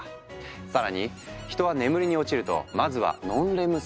更に人は眠りに落ちるとまずはノンレム睡眠。